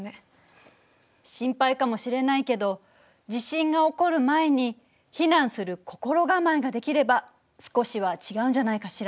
心配かもしれないけど地震が起こる前に避難する心構えができれば少しは違うんじゃないかしら？